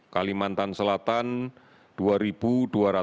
kalimantan selatan jawa timur